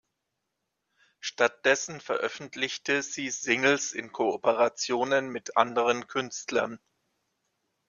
Stattdessen veröffentlichte sie Singles in Kooperationen mit anderen Künstlern.